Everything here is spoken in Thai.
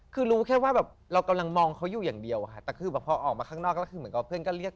คือรู้แค่ว่าแบบเรากำลังมองเขาอยู่อย่างเดียวอะค่ะแต่คือแบบพอออกมาข้างนอกแล้วคือเหมือนกับเพื่อนก็เรียก